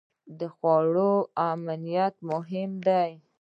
د خوړو امنیت مهم دی.